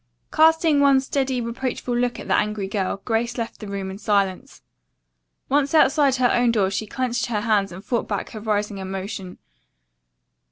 Casting one steady, reproachful look at the angry girl, Grace left the room in silence. Once outside her own door she clenched her hands and fought back her rising emotion.